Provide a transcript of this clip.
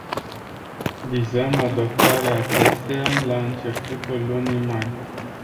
Vizăm adoptarea acesteia la începutul lunii mai.